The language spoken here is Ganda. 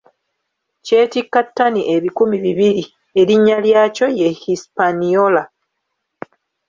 Kyetikka ttani ebikumi bibiri; erinnya lyakyo ye Hispaniola.